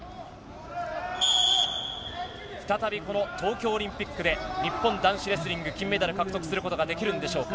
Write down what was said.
再びこの東京オリンピックで日本男子レスリング、金メダルを獲得することができるんでしょうか？